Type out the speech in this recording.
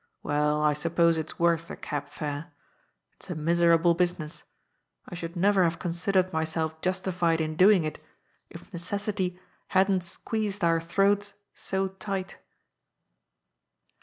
" Well, I suppose it's worth a cab fare. It's a miserable business. I should never have considered myself justified in doing it, if neces sity hadn't squeezed our throats so tight."